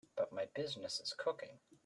But my business is cooking.